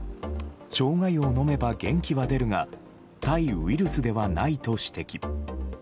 ショウガ湯を飲めば元気は出るが対ウイルスではないと指摘。